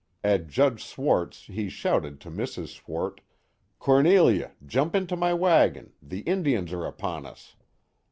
At Judge Swart c he shouted to Mrs. Swart, Cornelia, jump into my wagon, the Indians are upon us.